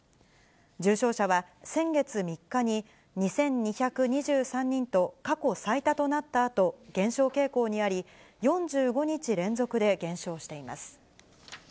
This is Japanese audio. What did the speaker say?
重症者は先月３日に２２２３人と過去最多となったあと、減少傾向にあり、４５日連続で減少しています。